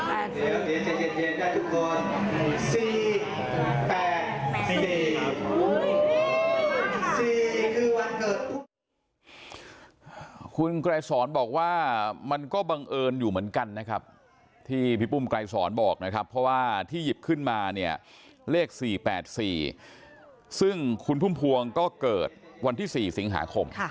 คุณไกรสอนบอกว่ามันก็บังเอิญอยู่เหมือนกันนะครับที่พี่ปุ้มไกรสอนบอกนะครับเพราะว่าที่หยิบขึ้นมาเนี่ยเลข๔๘๔ซึ่งคุณพุ่มพวงก็เกิดวันที่๔สิงหาคม